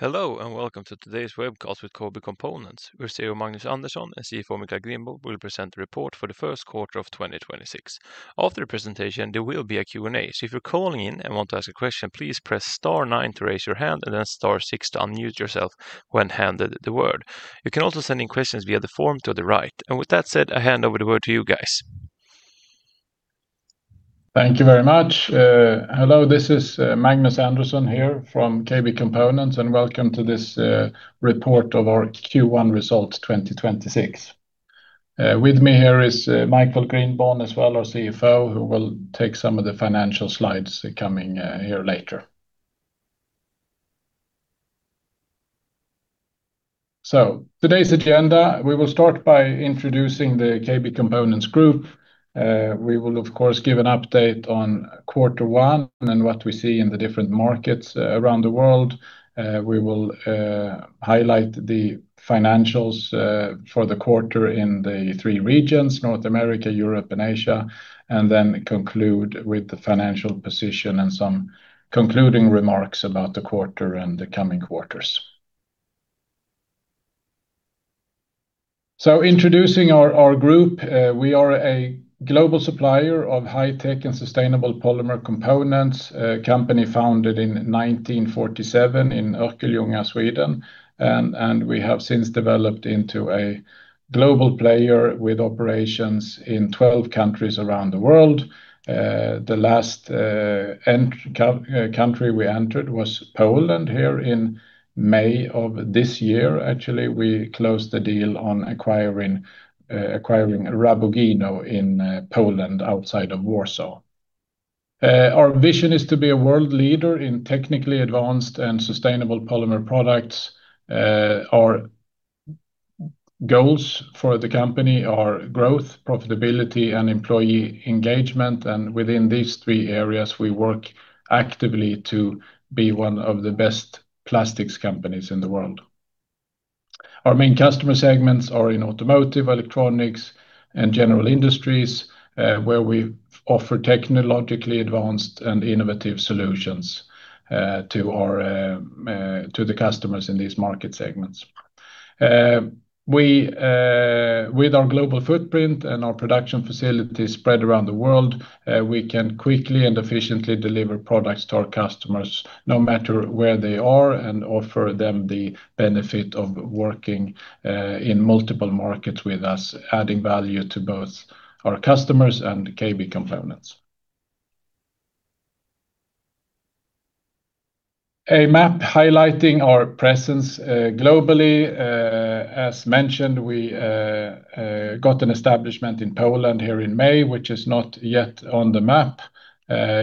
Hello, and welcome to today's webcast with KB Components. Where CEO Magnus Andersson and CFO Michael Grindborn will present the report for the first quarter of 2026. After the presentation, there will be a Q&A, so if you're calling in and want to ask a question, please press star nine to raise your hand and then star six to unmute yourself when handed the word. You can also send in questions via the form to the right. With that said, I hand over the word to you guys. Thank you very much. Hello, this is Magnus Andersson here from KB Components, and welcome to this report of our Q1 results 2026. With me here is Michael Grindborn as well, our CFO, who will take some of the financial slides coming here later. Today's agenda, we will start by introducing the KB Components Group. We will of course give an update on quarter one and what we see in the different markets around the world. We will highlight the financials for the quarter in the three regions: North America, Europe, and Asia. Then, conclude with the financial position and some concluding remarks about the quarter and the coming quarters. Introducing our Group, we are a global supplier of high-tech and sustainable polymer components. A company founded in 1947 in Örkelljunga, Sweden, and we have since developed into a global player with operations in 12 countries around the world. The last country we entered was Poland here in May of this year. Actually, we closed the deal on acquiring Rabugino in Poland outside of Warsaw. Our vision is to be a world leader in technically advanced and sustainable polymer products. Our goals for the company are growth, profitability, and employee engagement, and within these three areas, we work actively to be one of the best plastics companies in the world. Our main customer segments are in automotive, electronics, and general industries, where we offer technologically advanced and innovative solutions to our customers in these market segments. We, with our global footprint and our production facilities spread around the world, we can quickly and efficiently deliver products to our customers no matter where they are and offer them the benefit of working in multiple markets with us, adding value to both our customers and KB Components. A map highlighting our presence globally. As mentioned, we got an establishment in Poland here in May, which is not yet on the map.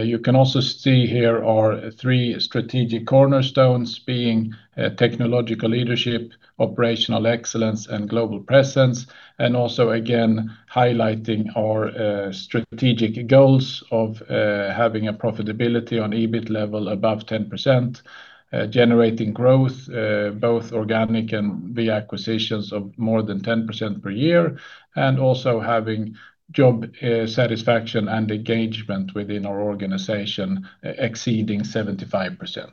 You can also see here our three strategic cornerstones being technological leadership, operational excellence, and global presence, and also again highlighting our strategic goals of having a profitability on EBIT level above 10%, generating growth, both organic and via acquisitions of more than 10% per year, and also having job satisfaction and engagement within our organization exceeding 75%.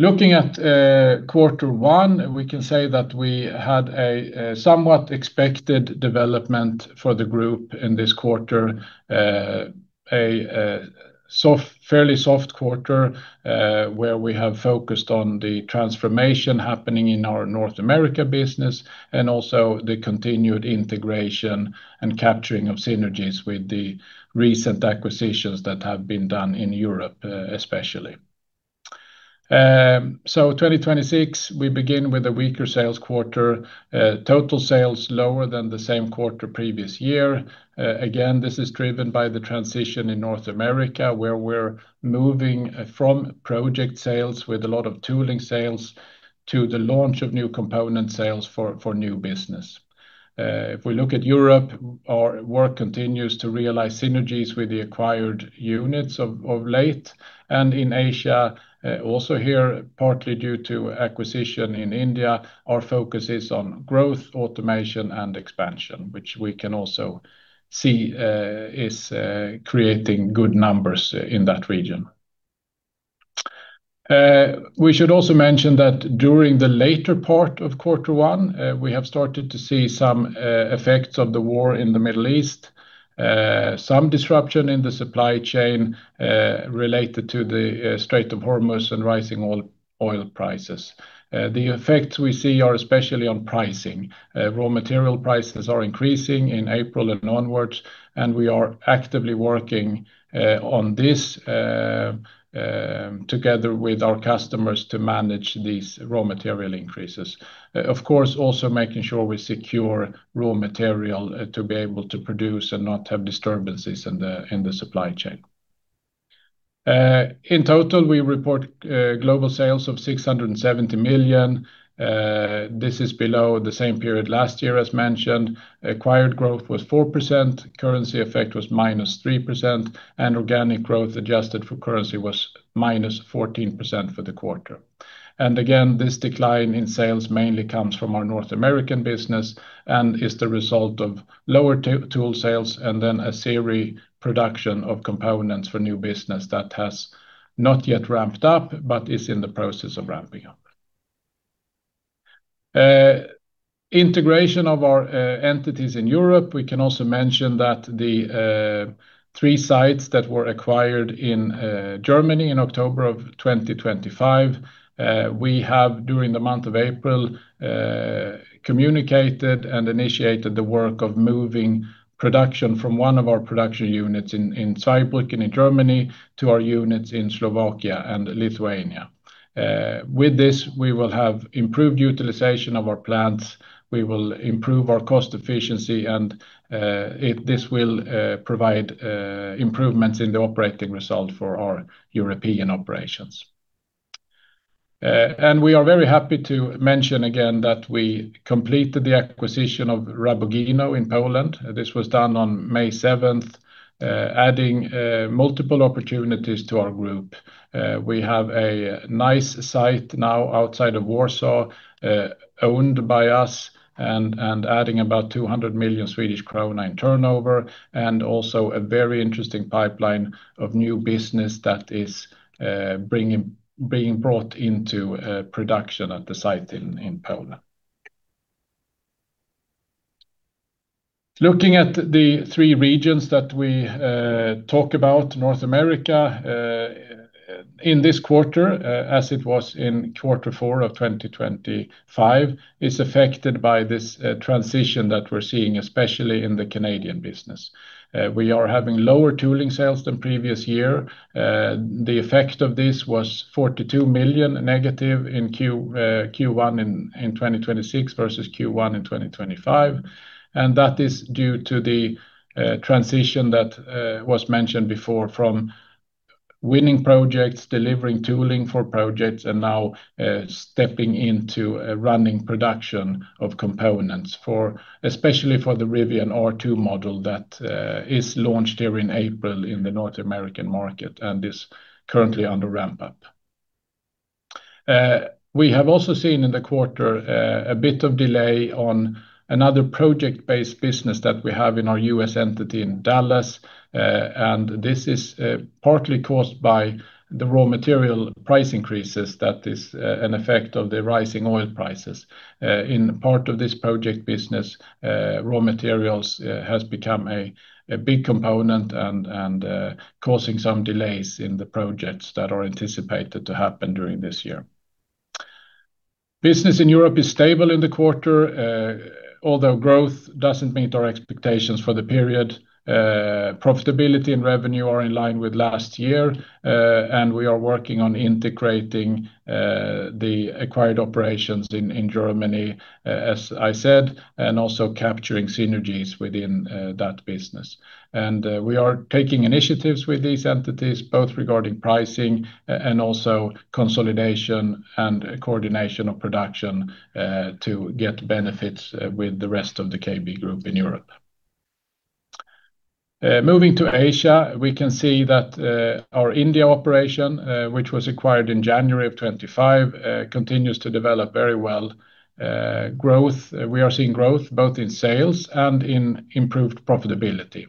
Looking at quarter one, we can say that we had a somewhat expected development for the Group in this quarter. A fairly soft quarter, where we have focused on the transformation happening in our North America business and also the continued integration and capturing of synergies with the recent acquisitions that have been done in Europe, especially. 2026, we begin with a weaker sales quarter. Total sales lower than the same quarter previous year. Again, this is driven by the transition in North America, where we're moving from project sales with a lot of tooling sales to the launch of new component sales for new business. If we look at Europe, our work continues to realize synergies with the acquired units of late. In Asia, also here, partly due to acquisition in India, our focus is on growth, automation, and expansion, which we can also see is creating good numbers in that region. We should also mention that during the later part of quarter one, we have started to see some effects of the war in the Middle East. Some disruption in the supply chain related to the Strait of Hormuz and rising oil prices. The effects we see are especially on pricing. Raw material prices are increasing in April and onwards, and we are actively working on this together with our customers to manage these raw material increases. Of course, also making sure we secure raw material to be able to produce and not have disturbances in the supply chain. In total, we report global sales of 670 million. This is below the same period last year, as mentioned. Acquired growth was 4%, currency effect was -3%, and organic growth adjusted for currency was -14% for the quarter. Again, this decline in sales mainly comes from our North American business and is the result of lower tool sales and then a series production of components for new business that has not yet ramped up, but is in the process of ramping up. Integration of our entities in Europe. We can also mention that the three sites that were acquired in Germany in October 2025. We have, during the month of April, communicated and initiated the work of moving production from one of our production units in Zweibrücken in Germany to our units in Slovakia and Lithuania. With this, we will have improved utilization of our plants. We will improve our cost efficiency and this will provide improvements in the operating result for our European operations. We are very happy to mention again that we completed the acquisition of Rabugino in Poland. This was done on May 7th, adding multiple opportunities to our Group. We have a nice site now outside of Warsaw, owned by us and adding about 200 million Swedish krona in turnover, and also a very interesting pipeline of new business that is being brought into production at the site in Poland. Looking at the three regions that we talk about. North America, in this quarter as it was in quarter four 2025, is affected by this transition that we're seeing, especially in the Canadian business. We are having lower tooling sales than previous year. The effect of this was -42 million in Q1 2026 versus Q1 2025. That is due to the transition that was mentioned before from winning projects, delivering tooling for projects, and now stepping into a running production of components especially for the Rivian R2 model that is launched here in April in the North American market and is currently under ramp-up. We have also seen in the quarter a bit of delay on another project-based business that we have in our U.S. entity in Dallas. This is partly caused by the raw material price increases that is an effect of the rising oil prices. In part of this project business, raw materials has become a big component and causing some delays in the projects that are anticipated to happen during this year. Business in Europe is stable in the quarter. Although growth doesn't meet our expectations for the period, profitability and revenue are in line with last year. We are working on integrating the acquired operations in Germany, as I said, and also capturing synergies within that business. We are taking initiatives with these entities both regarding pricing and also consolidation and coordination of production to get benefits with the rest of the KB Group in Europe. Moving to Asia, we can see that our India operation, which was acquired in January of 2025, continues to develop very well. We are seeing growth both in sales and in improved profitability,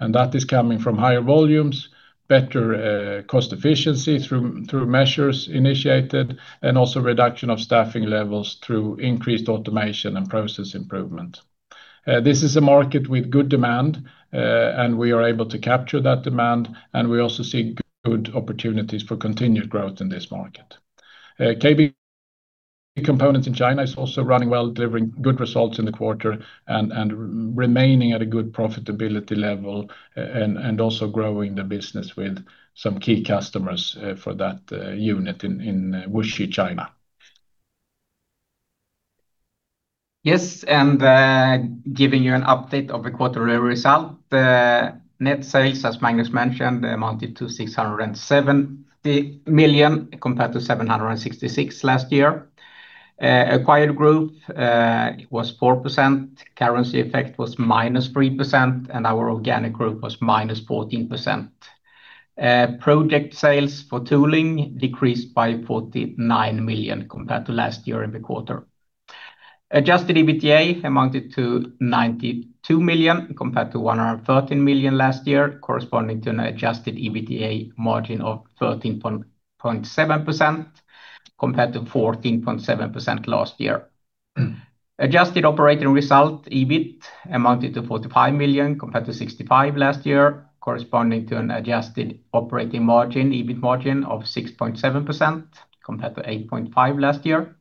and that is coming from higher volumes, better cost efficiency through measures initiated, and also reduction of staffing levels through increased automation and process improvement. This is a market with good demand, and we are able to capture that demand, and we also see good opportunities for continued growth in this market. KB Components in China is also running well, delivering good results in the quarter, remaining at a good profitability level, and also growing the business with some key customers for that unit in Wuxi, China. Giving you an update of the quarterly result. The net sales, as Magnus mentioned, amounted to 670 million compared to 766 last year. Acquired growth was 4%, currency effect was -3%, and our organic growth was -14%. Project sales for tooling decreased by 49 million compared to last year in the quarter. Adjusted EBITDA amounted to 92 million compared to 113 million last year, corresponding to an adjusted EBITDA margin of 13.7% compared to 14.7% last year. Adjusted operating result, EBIT, amounted to 45 million compared to 65 last year, corresponding to an adjusted operating margin, EBIT margin of 6.7% compared to 8.5% last year.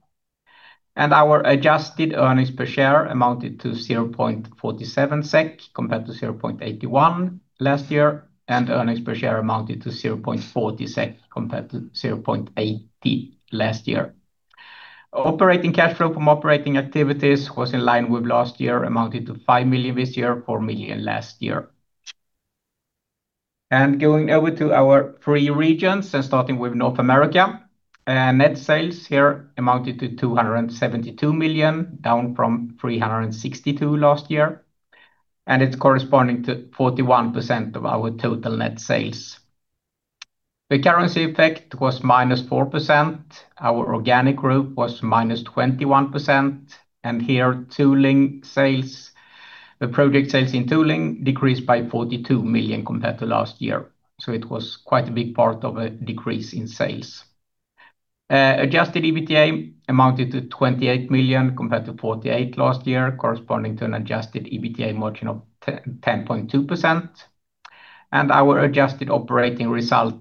Our adjusted earnings per share amounted to 0.47 SEK compared to 0.81 last year, and earnings per share amounted to 0.40 SEK compared to 0.80 last year. Operating cash flow from operating activities was in line with last year amounted to 5 million this year, 4 million last year. Going over to our three regions and starting with North America, net sales here amounted to 272 million, down from 362 million last year. It's corresponding to 41% of our total net sales. The currency effect was -4%. Our organic growth was -21%. Here, tooling sales, the project sales in tooling decreased by 42 million compared to last year. It was quite a big part of a decrease in sales. Adjusted EBITDA amounted to 28 million compared to 48 million last year, corresponding to an adjusted EBITDA margin of 10.2%. Our adjusted operating result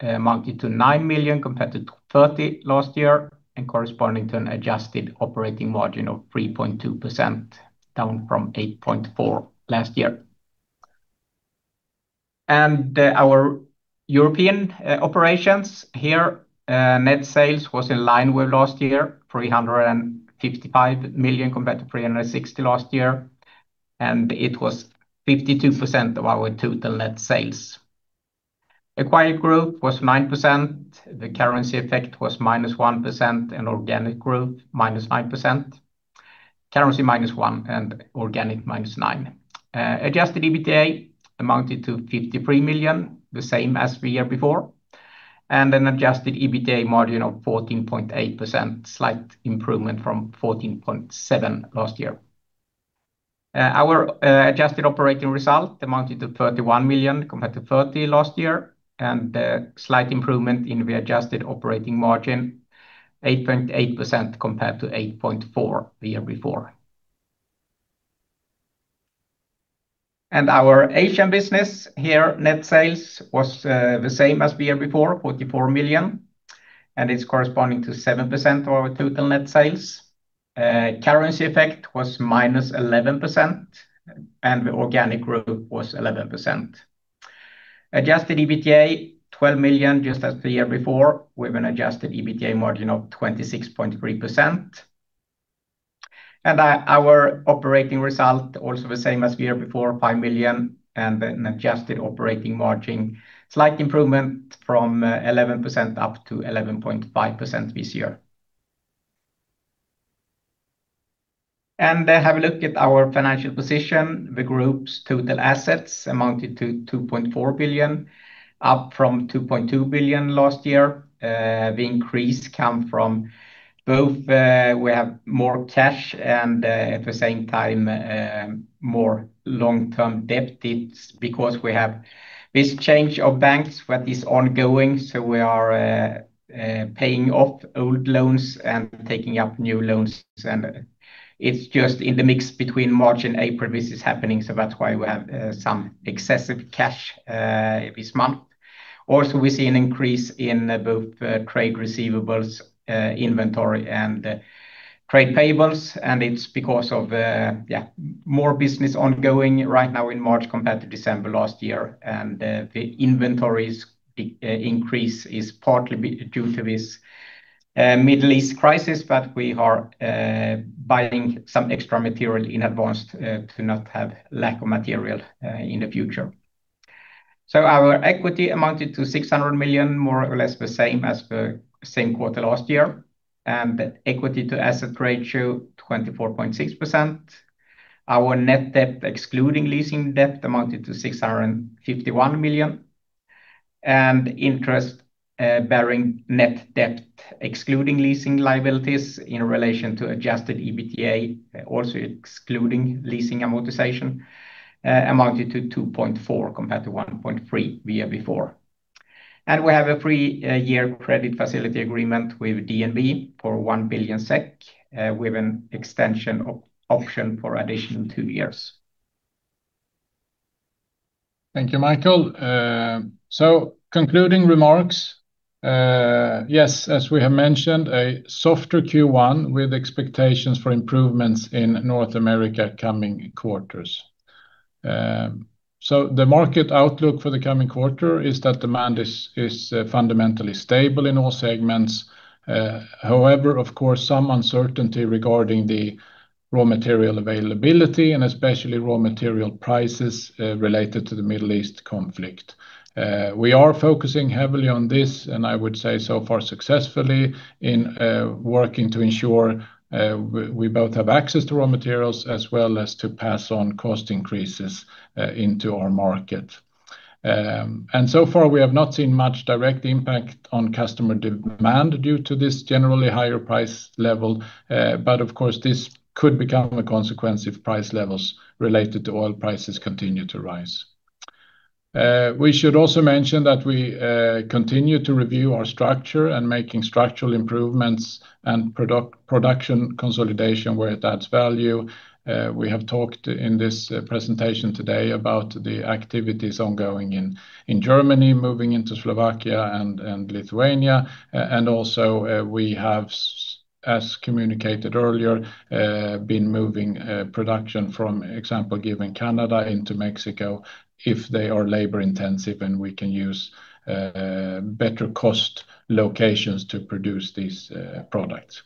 amounted to 9 million compared to 30 million last year, corresponding to an adjusted operating margin of 3.2%, down from 8.4% last year. Our European operations here, net sales was in line with last year, 355 million compared to 360 million last year. It was 52% of our total net sales. Acquired growth was 9%. The currency effect was -1% and organic growth -9%. Currency -1%, and organic -9%. Adjusted EBITDA amounted to 53 million, the same as the year before. An adjusted EBITDA margin of 14.8%, slight improvement from 14.7% last year. Our adjusted operating result amounted to 31 million compared to 30 million last year. A slight improvement in the adjusted operating margin, 8.8% compared to 8.4% the year before. Our Asian business here, net sales was the same as the year before, 44 million, and it's corresponding to 7% of our total net sales. Currency effect was -11%. The organic growth was 11%. Adjusted EBITDA, 12 million, just as the year before, with an adjusted EBITDA margin of 26.3%. Our operating result also the same as the year before, 5 million, an adjusted operating margin, slight improvement from 11% up to 11.5% this year. Have a look at our financial position. The Group's total assets amounted to 2.4 billion, up from 2.2 billion last year. The increase come from both, we have more cash and, at the same time, more long-term debt deeds because we have this change of banks that is ongoing. We are paying off old loans and taking up new loans. It's just in the mix between March and April this is happening, so that's why we have some excessive cash this month. Also, we see an increase in both trade receivables, inventory, and trade payables. It's because of, yeah, more business ongoing right now in March compared to December last year. The inventories increase is partly due to this Middle East crisis, but we are buying some extra material in advance to not have lack of material in the future. Our equity amounted to 600 million, more or less the same as the same quarter last year. The equity to asset ratio, 24.6%. Our net debt, excluding leasing debt, amounted to 651 million. Interest bearing net debt, excluding leasing liabilities in relation to adjusted EBITDA, also excluding leasing amortization, amounted to 2.4x compared to 1.3x the year before. We have a three-year credit facility agreement with DNB for 1 billion SEK, with an extension option for additional two years. Thank you, Michael. Concluding remarks. Yes, as we have mentioned, a softer Q1 with expectations for improvements in North America coming quarters. The market outlook for the coming quarter is that demand is fundamentally stable in all segments. Of course, some uncertainty regarding the raw material availability and especially raw material prices related to the Middle East conflict. We are focusing heavily on this, I would say so far successfully in working to ensure we both have access to raw materials as well as to pass on cost increases into our market. So far, we have not seen much direct impact on customer demand due to this generally higher price level. Of course, this could become a consequence if price levels related to oil prices continue to rise. We should also mention that we continue to review our structure and making structural improvements and production consolidation where it adds value. We have talked in this presentation today about the activities ongoing in Germany, moving into Slovakia and Lithuania. Also, as communicated earlier, been moving production from example given Canada into Mexico if they are labor-intensive and we can use better cost locations to produce these products.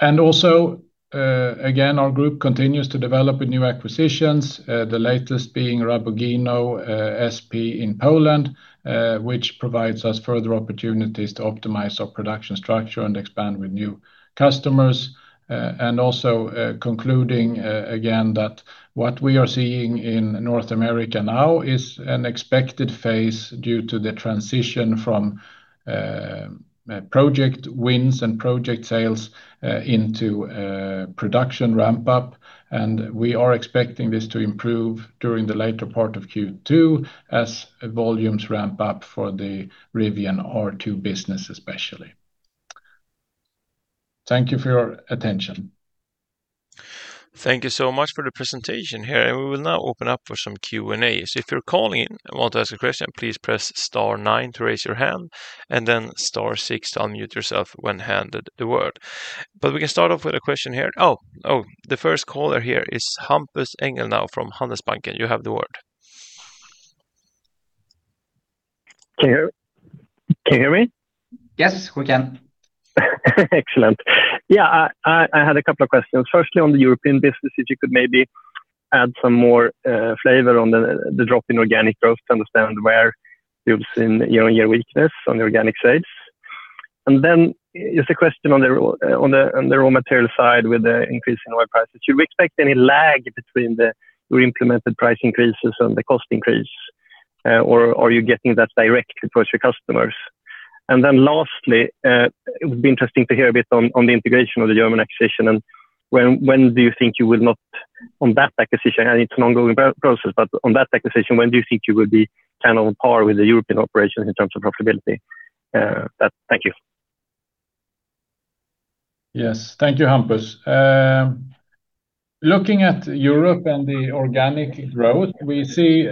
Also, again, our Group continues to develop with new acquisitions. The latest being Rabugino Sp in Poland, which provides us further opportunities to optimize our production structure and expand with new customers. Also, concluding again that what we are seeing in North America now is an expected phase due to the transition from project wins and project sales into production ramp-up. We are expecting this to improve during the later part of Q2 as volumes ramp-up for the Rivian R2 business especially. Thank you for your attention. Thank you so much for the presentation here. We will now open up for some Q&A. If you're calling and want to ask a question, please press star nine to raise your hand and then star six to unmute yourself when handed the word. We can start off with a question here. The first caller here is Hampus Engellau now from Handelsbanken. You have the word. Can you hear me? Yes, we can. Excellent. Yeah. I had a couple of questions. Firstly, on the European business, if you could maybe add some more flavor on the drop in organic growth to understand where you've seen, you know, your weakness on the organic sales? Then, it's the question on the raw material side with the increase in raw prices. Do you expect any lag between the re-implemented price increases and the cost increase? Or are you getting that directly towards your customers? Then lastly, it would be interesting to hear a bit on the integration of the German acquisition and when do you think you will not, and it's an ongoing process, but on that acquisition, when do you think you will be kind of on par with the European operations in terms of profitability? Thank you. Yes. Thank you, Hampus. Looking at Europe and the organic growth, we see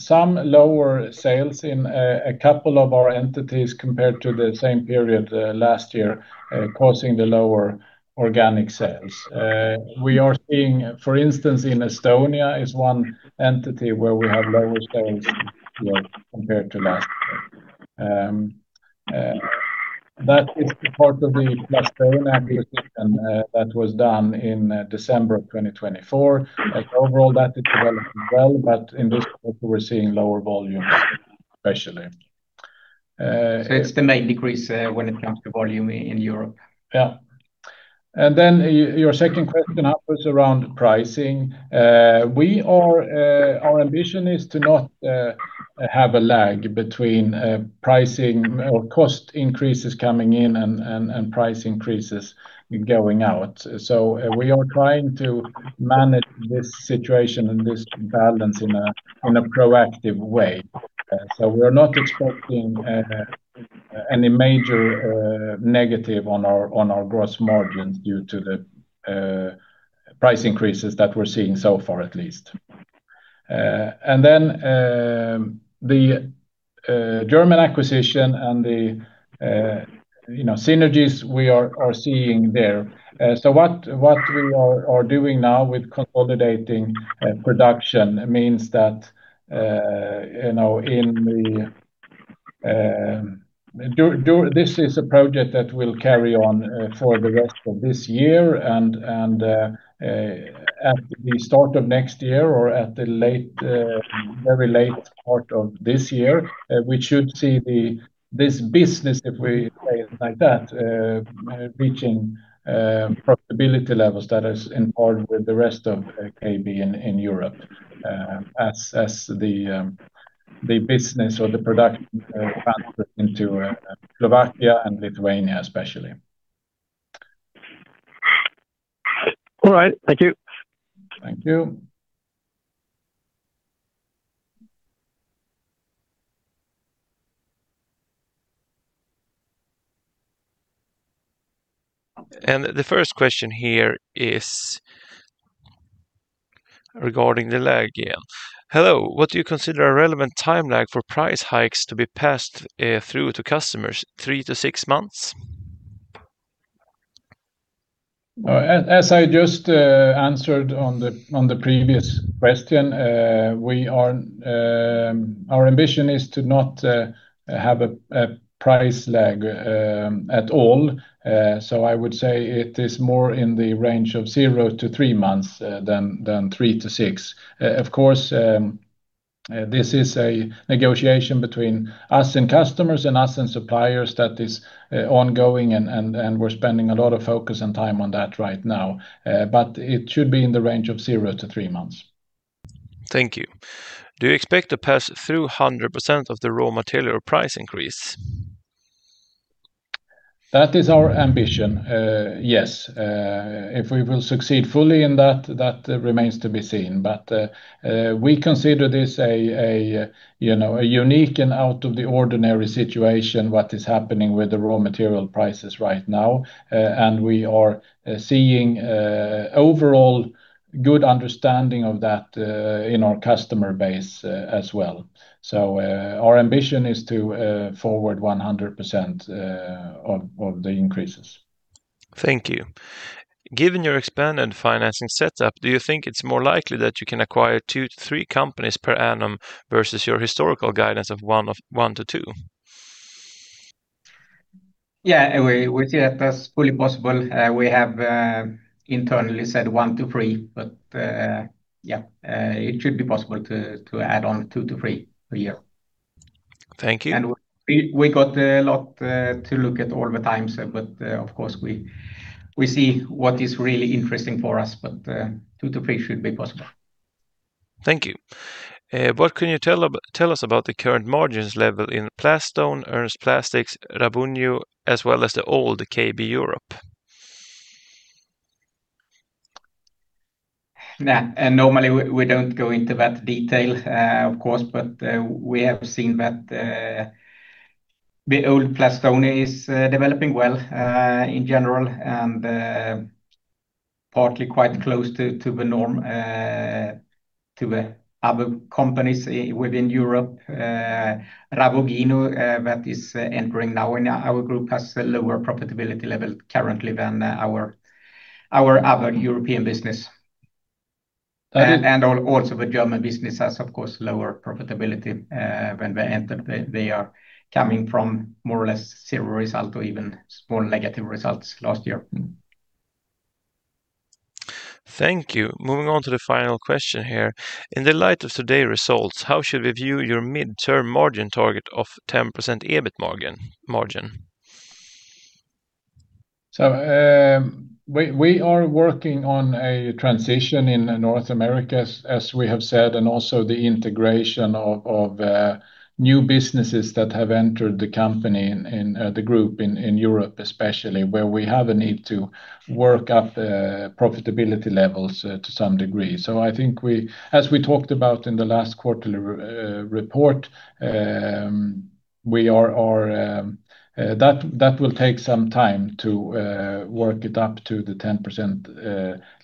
some lower sales in a couple of our entities compared to the same period last year causing the lower organic sales. We are seeing, for instance, in Estonia is one entity where we have lower sales compared to last year. That is part of the Plastone acquisition that was done in December of 2024. Like overall that is developing well, but in this quarter, we're seeing lower volumes especially. It's the main decrease when it comes to volume in Europe. Yeah. Your second question, Hampus, around pricing. We are our ambition is to not have a lag between pricing or cost increases coming in and price increases going out. We are trying to manage this situation and this balance in a proactive way. We are not expecting any major negative on our gross margins due to the price increases that we're seeing so far at least. The German acquisition and the, you know, synergies we are seeing there. What we are doing now with consolidating production means that, you know, this is a project that will carry on for the rest of this year and at the start of next year or at the late, very late part of this year. We should see this business, if we say it like that, reaching profitability levels that is on par with the rest of KB in Europe, as the business or the production transfers into Slovakia and Lithuania especially. All right. Thank you. Thank you. The first question here is regarding the lag, yeah. Hello, what do you consider a relevant time lag for price hikes to be passed through to customers, three to six months? As I just answered on the previous question, we are, our ambition is to not have a price lag at all. I would say it is more in the range of zero to three months, than three to six months. This is a negotiation between us and customers, and us and suppliers that is ongoing and we're spending a lot of focus and time on that right now. It should be in the range of zero to three months. Thank you. Do you expect to pass through 100% of the raw material price increase? That is our ambition. Yes. If we will succeed fully in that remains to be seen. We consider this a, you know, a unique and out of the ordinary situation, what is happening with the raw material prices right now. We are seeing overall good understanding of that in our customer base as well. Our ambition is to forward 100% of the increases. Thank you. Given your expanded financing setup, do you think it's more likely that you can acquire two to three companies per annum versus your historical guidance of one to two? Yeah, we see that that's fully possible. We have internally said one to three companies, but yeah, it should be possible to add on two to three companies per year. Thank you. We got a lot to look at all the time, sir, but, of course, we see what is really interesting for us. Two to three companies should be possible. Thank you. What can you tell us about the current margins level in Plastone, Ernst Plastics, Rabugino, as well as all the KB Europe? Nah. Normally, we don't go into that detail, of course. We have seen that the old Plastone is developing well, in general, and partly quite close to the norm, to the other companies within Europe. Rabugino, that is entering now in our Group, has a lower profitability level currently than our other European business. The German business has, of course, lower profitability when they entered. They are coming from more or less zero result or even small negative results last year. Thank you. Moving on to the final question here. In the light of today results, how should we view your midterm margin target of 10% EBIT margin? We are working on a transition in North Americas, as we have said, and also the integration of new businesses that have entered the company in the Group in Europe, especially, where we have a need to work up the profitability levels to some degree. As we talked about in the last quarterly report, that will take some time to work it up to the 10%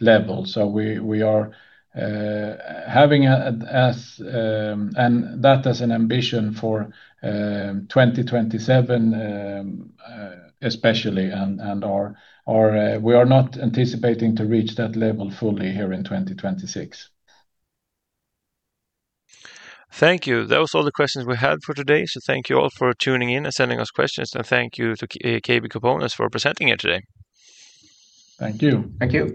level. That as an ambition for 2027, especially. We are not anticipating to reach that level fully here in 2026. Thank you. Those are all the questions we had for today. Thank you all for tuning in and sending us questions. Thank you to KB Components for presenting here today. Thank you. Thank you.